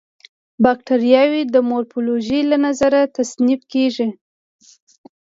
باکټریاوې د مورفولوژي له نظره تصنیف کیږي.